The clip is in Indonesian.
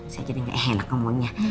saya jadi gak enak ngomongnya